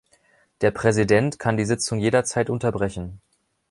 Der Präsident kann die Sitzung jederzeit unterbrechen.